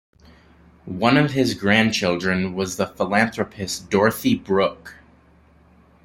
One of his grandchildren was the philanthropist Dorothy Brooke.